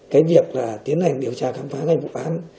cái việc tiến hành điều tra khám phá ngành vụ án